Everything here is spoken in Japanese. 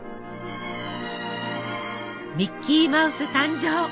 ミッキーマウス誕生！